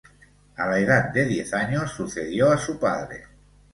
A la edad de diez años sucedió a su padre.